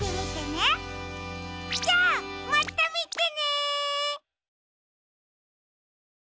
じゃあまたみてね！